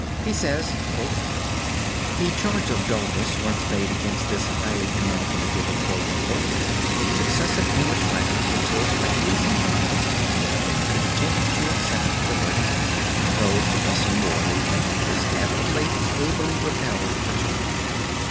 He says: "The charge of dulness once made against this highly imaginative and brilliant book, successive English writers, until quite recent times have been content to accept the verdict, though Professor Morley and others have of late ably repelled the charge.